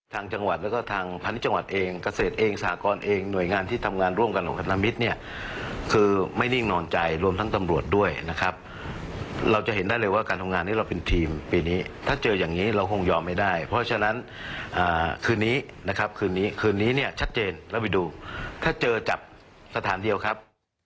ทางจังหวัดแล้วก็ทางพาณิชย์จังหวัดเองเกษตรเองสหกรณ์เองหน่วยงานที่ทำงานร่วมกันของคณะมิตรเนี่ยคือไม่นิ่งนอนใจรวมทั้งตำรวจด้วยนะครับเราจะเห็นได้เลยว่าการทำงานนี้เราเป็นทีมปีนี้ถ้าเจออย่างนี้เราคงยอมไม่ได้เพราะฉะนั้นคืนนี้นะครับคืนนี้คืนนี้เนี่ยชัดเจนแล้วไปดูถ้าเจอจับสถานเดียวครับ